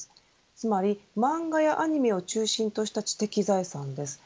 つまり漫画やアニメを中心とした知的財産です。